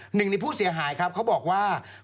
หนึ่งในผู้เสียหายครับเขาบอกว่า